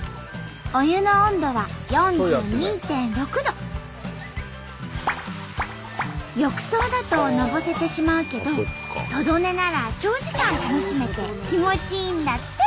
お湯の浴槽だとのぼせてしまうけどトド寝なら長時間楽しめて気持ちいいんだって！